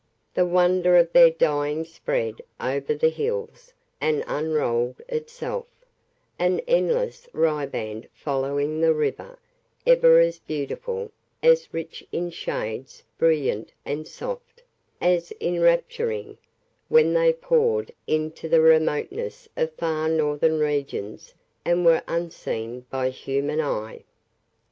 The wonder of their dying spread over the hills and unrolled itself, an endless riband following the river, ever as beautiful, as rich in shades brilliant and soft, as enrapturing, when they passed into the remoteness of far northern regions and were unseen by human eye.